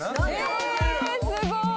すごーい。